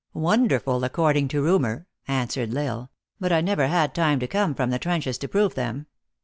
" Wonderful, according to rumor," answered L Isle, " But I never had time to come from the trenches to prove them.